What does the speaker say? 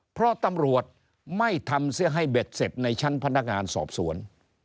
เพราะตำรวจไม่ทำเสียให้เบ็ดเสร็จในชั้นพนักงานสอบสวน